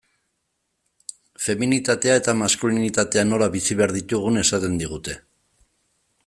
Feminitatea eta maskulinitatea nola bizi behar ditugun esaten digute.